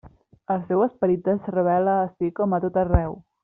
El seu esperit es revela ací com a tot arreu.